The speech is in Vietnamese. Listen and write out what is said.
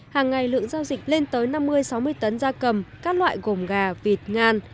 hàng ngày lượng giao dịch lên tới năm mươi sáu mươi tấn da cầm các loại gồm gà vịt ngan